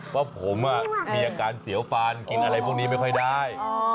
ว่าผมมีอาการเสียวฟันกินอะไรพวกนี้ไม่ค่อยได้